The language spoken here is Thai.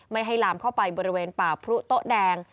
ไม่ให้ลามเข้าไปบริเวณป่าพรุโต๊ะแดง